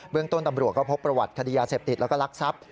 เรื่องต้นตำรวจก็พบประวัติคดียาเสพติดแล้วก็ลักทรัพย์